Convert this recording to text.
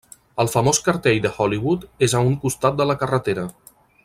El famós cartell de Hollywood és a un costat de la carretera.